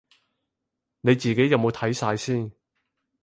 你自己有冇睇晒先